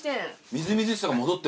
みずみずしさが戻ってますよね。